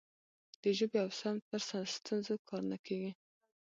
د ژبې او سمت پر ستونزو کار نه کیږي.